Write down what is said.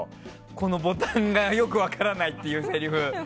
このボタンがよく分からないっていうせりふ。